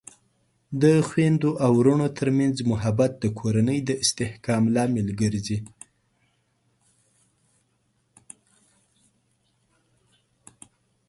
د خویندو او ورونو ترمنځ محبت د کورنۍ د استحکام لامل ګرځي.